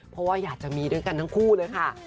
เพราะว่าอยากจะมีด้วยกันทั้งคู่เลยค่ะ